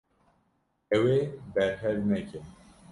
Ew ê berhev neke.